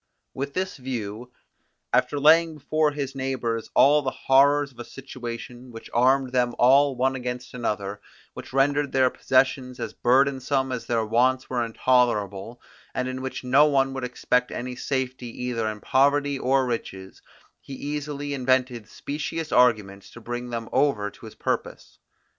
With this view, after laying before his neighbours all the horrors of a situation, which armed them all one against another, which rendered their possessions as burdensome as their wants were intolerable, and in which no one could expect any safety either in poverty or riches, he easily invented specious arguments to bring them over to his purpose.